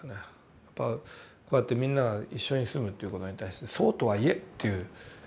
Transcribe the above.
やっぱこうやってみんなが一緒に住むということに対してそうとはいえという。